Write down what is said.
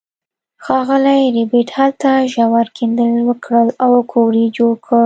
ښاغلي ربیټ هلته ژور کیندل وکړل او کور یې جوړ کړ